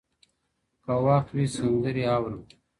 که وخت وي، سندري اورم!؟